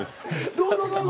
どうぞどうぞ。